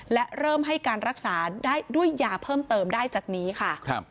และเริ่มให้การรักษาได้ด้วยยาเพิ่มเติมได้จากนี้ค่ะ